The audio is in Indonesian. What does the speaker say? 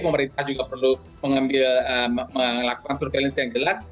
pemerintah juga perlu mengambil melakukan surveillance yang jelas